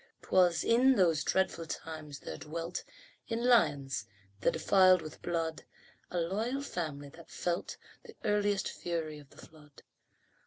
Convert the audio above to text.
'Twas in those dreadful times there dwelt In Lyons, the defiled with blood, A loyal family that felt The earliest fury of the flood.